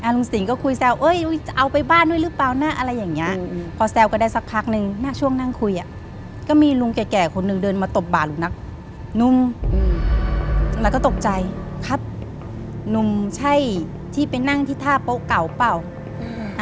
นุ่มอืมแล้วก็ตกใจครับนุ่มใช่ที่ไปนั่งที่ท่าโป๊ะเก่าเปล่าอืม